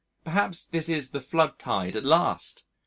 Perhaps this is the flood tide at last!